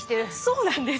そうなんです。